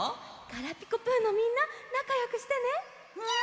「ガラピコぷ」のみんななかよくしてね。